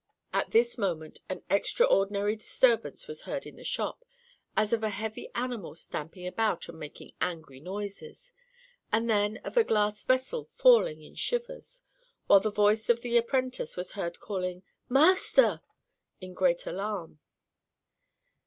At this moment an extraordinary disturbance was heard in the shop, as of a heavy animal stamping about and making angry noises, and then of a glass vessel falling in shivers, while the voice of the apprentice was heard calling "Master" in great alarm.